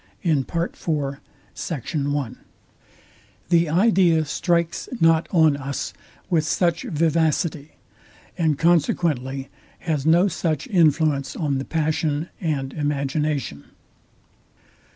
The idea strikes not on us with ouch vivacity; and consequently has no such influence on the passion and imagination.